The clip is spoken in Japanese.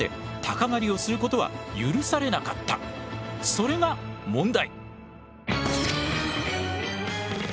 それが問題！